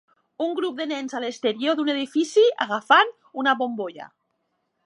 un grup de nens a l'exterior d'un edifici agafant una bombolla.